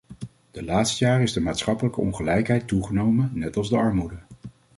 De laatste jaren is de maatschappelijke ongelijkheid toegenomen, net als de armoede.